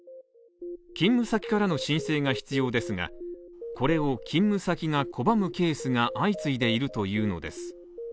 勤務先からの申請が必要ですがこれを勤務先が拒むケースが相次いでいるというのです。